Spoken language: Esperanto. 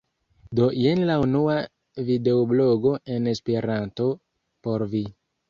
Do, jen la unua videoblogo en Esperanto. Por vi.